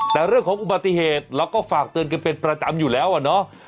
แต่เรื่องของอุบัติเหตุเราก็ฝากเตือนกันเป็นประจำอยู่แล้วอะเนาะ